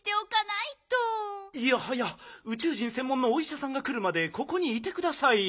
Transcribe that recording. いやはやうちゅう人せんもんのおいしゃさんがくるまでここにいてください。